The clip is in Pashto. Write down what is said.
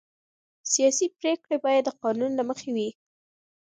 سیاسي پرېکړې باید د قانون له مخې وي